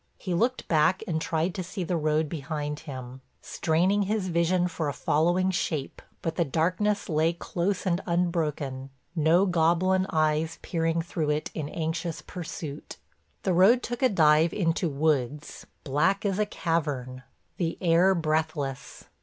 He looked back and tried to see the road behind him, straining his vision for a following shape, but the darkness lay close and unbroken, no goblin eyes peering through it in anxious pursuit. The road took a dive into woods, black as a cavern, the air breathless.